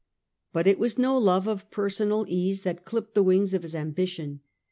But it was no love of personal ease that clipped the wings of his ambition.